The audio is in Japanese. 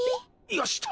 よしと！